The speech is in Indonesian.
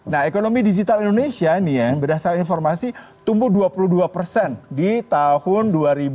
nah ekonomi digital indonesia nih ya berdasarkan informasi tumbuh dua puluh dua persen di tahun dua ribu dua puluh